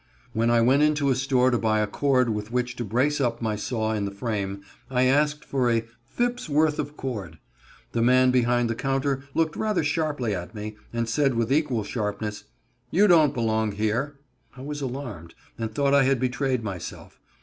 When I went into a store to buy a cord with which to brace up my saw in the frame, I asked for a "fip's" worth of cord. The man behind the counter looked rather sharply at me, and said with equal sharpness, "You don't belong about here." I was alarmed, and thought I had betrayed myself.